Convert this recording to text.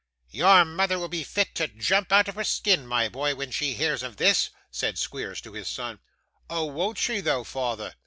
'Your mother will be fit to jump out of her skin, my boy, when she hears of this,' said Squeers to his son. 'Oh, won't she though, father?